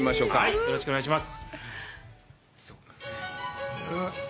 よろしくお願いします。